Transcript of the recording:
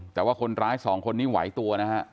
แต่ว่าคนร้ายสองคนนี้ไหวตัวนะฮะ